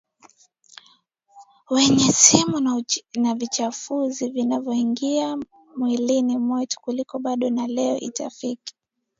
wenye sumu na vichafuzi vinavyoingia mwilini mwetu Kulikuwa bado na leo itifaki